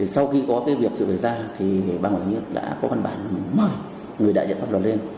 sau khi có việc xử lý ra thì ubnd đã có văn bản mời người đại dạng pháp luật lên